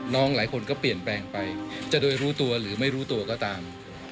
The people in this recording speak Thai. น้องหลายคนก็เปลี่ยนแปลงไปจะโดยรู้ตัวหรือไม่รู้ตัวก็ตาม